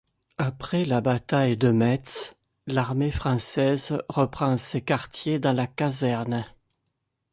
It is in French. Après la bataille de Metz, l’armée française reprend ses quartiers dans la caserne.